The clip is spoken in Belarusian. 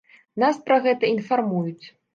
Нас пра гэта інфармуюць.